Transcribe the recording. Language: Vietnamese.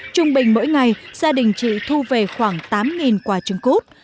trung bình mỗi ngày gia đình chị thu về khoảng tám quả trứng cút